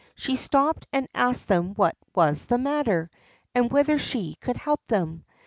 She stopped and asked them what was the matter, and whether she could help them.